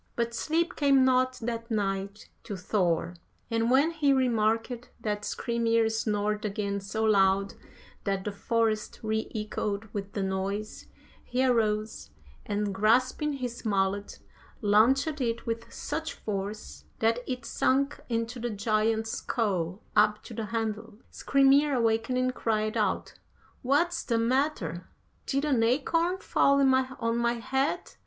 But sleep came not that night to Thor, and when he remarked that Skrymir snored again so loud that the forest re echoed with the noise, he arose, and grasping his mallet, launched it with such force that it sunk into the giant's skull up to the handle. Skrymir awakening, cried out "'What's the matter? did an acorn fall on my head?